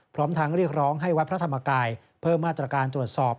พร้อมทั้งเรียกร้องให้วัดพระธรรมกายเพิ่มมาตรการตรวจสอบ